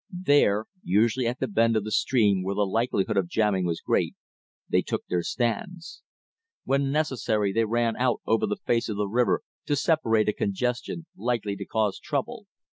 There, usually at a bend of the stream where the likelihood of jamming was great, they took their stands. When necessary, they ran out over the face of the river to separate a congestion likely to cause trouble.